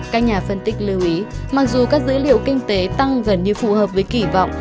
các nhà phân tích lưu ý mặc dù các dữ liệu kinh tế tăng gần như phù hợp với kỳ vọng